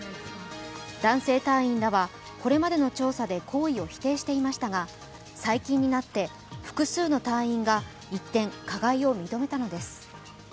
男性隊員らはこれまでの調査で行為を否定していましたが最近になって、複数の隊員が一転加害を認めたのです。